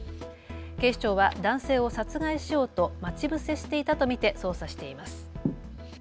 警視庁は男性を殺害しようと待ち伏せしていたと見て捜査しています。